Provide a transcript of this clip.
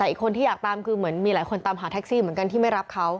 แต่อีกคนที่อยากตามคือเหมือนมีหลายคนตามหาแท็กซี่เหมือนกันที่ไม่รับเขา